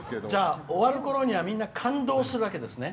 終わるころにはみんな感動するわけですね。